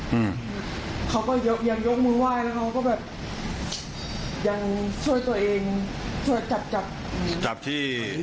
หรือว่าข้างใน